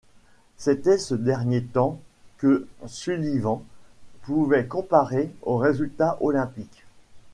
C'était ce dernier temps que Sullivan voulait comparer aux résultats olympiques.